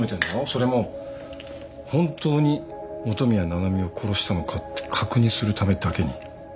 それも本当に本宮七海を殺したのかって確認するためだけに。